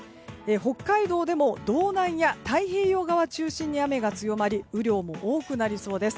北海道でも道南や太平洋側を中心に雨が強まり雨量も多くなりそうです。